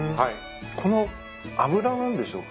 この油何でしょうか？